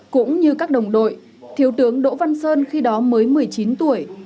cũng như các đồng đội thiếu tướng đỗ văn sơn khi đó mới một mươi chín tuổi